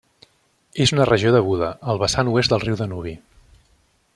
És una regió de Buda, al vessant oest del riu Danubi.